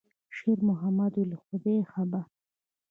شېرمحمد وویل: «خدای خبر.»